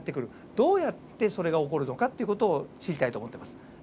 どうやってそれが起こるのかっていう事を知りたいと思ってます。